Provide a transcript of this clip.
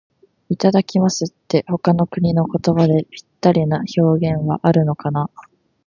「いただきます」って、他の国の言葉でぴったりの表現はあるのかな。